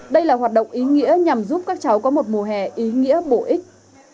đây là hoạt động ý nghĩa nhằm giúp các cháu có một mùa hè ý nghĩa bổ ích